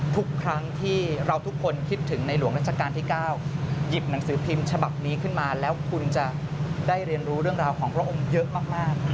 ทุกครั้งที่เราทุกคนคิดถึงในหลวงราชการที่๙หยิบหนังสือพิมพ์ฉบับนี้ขึ้นมาแล้วคุณจะได้เรียนรู้เรื่องราวของพระองค์เยอะมาก